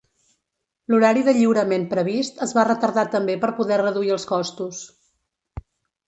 L'horari de lliurament previst es va retardar també per poder reduir els costos.